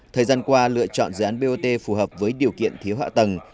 thời gian qua lựa chọn dự án bot phù hợp với điều kiện thiếu hạ tầng